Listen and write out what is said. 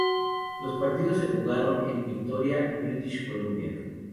Los partidos se jugaron en Victoria, British Columbia.